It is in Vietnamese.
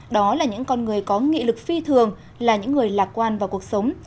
đó là những con người có nghị lực phi thường là những người lạc quan vào cuộc sống